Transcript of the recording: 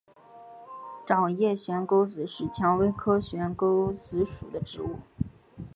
掌叶悬钩子是蔷薇科悬钩子属的植物。